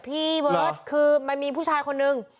พี่เบิลท์อันนี้มีผู้ชายคนนึง